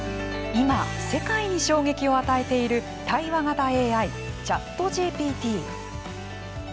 今、世界に衝撃を与えている対話型ＡＩ「ＣｈａｔＧＰＴ」。